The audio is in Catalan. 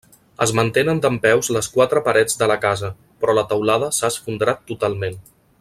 Es mantenen dempeus les quatre parets de la casa però la teulada s'ha esfondrat totalment.